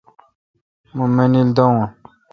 مہ منیل داوان